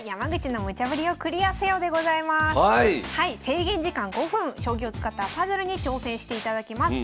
制限時間５分将棋を使ったパズルに挑戦していただきます。